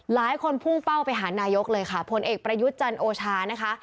หลายคนพุ่งเป้าไปหานายกเลยคะผลเอกประยุจรรย์โอชานะคะ